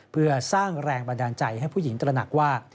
เพื่อสร้างแรงบันดาลใจให้ผู้หญิงตระหนักว่า